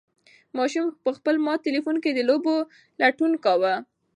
ماشوم په خپل مات تلیفون کې د لوبو لټون کاوه.